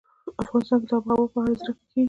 افغانستان کې د آب وهوا په اړه زده کړه کېږي.